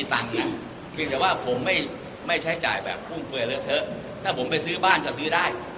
ถ้าผมไม่ใช้จ่ายแบบวุ่นแล้วเลือกเถอะถ้าผมไปซื้อบ้านก็ซื้อได้